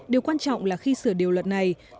điều quan trọng là khi sửa điều luật này